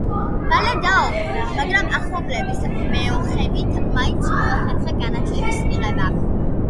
მალე დაობლდა, მაგრამ ახლობლების მეოხებით მაინც მოახერხა განათლების მიღება.